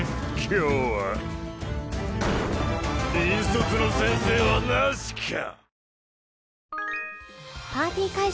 今日は引率の先生はなしか